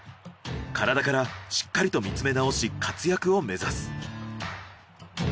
体からしっかりと見つめ直し活躍を目指す。